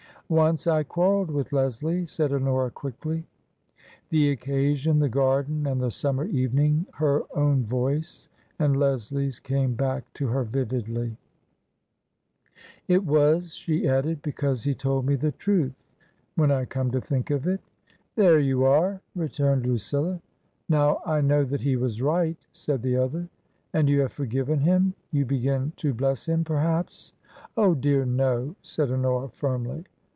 " Once I quarrelled with Leslie," said Honora, quickly. The occasion, the garden and the summer evening, her own voice and Leslie's came back to her vividly. TRANSITION. 235 " It was," she added, " because he told me the truth — when I come to think of it/* " There you are !" returned Lucilla. " Now I know that he was right," said the other. " And you have forgiven him ? You begin to bless him, perhaps ?"" Oh, dear, no !" said Honora, firmly.